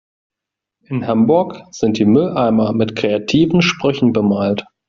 In Hamburg sind die Mülleimer mit kreativen Sprüchen bemalt.